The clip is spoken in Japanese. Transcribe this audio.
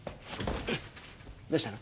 んどうしたの？